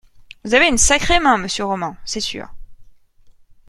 Vous avez une sacrée main monsieur Roman, c’est sûr.